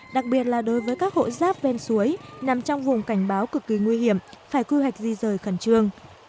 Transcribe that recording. đặc biệt là đối với các hộ giáp ven suối nằm trong vùng cảnh báo cực kỳ nguy hiểm phải quy hoạch di rời khẩn trương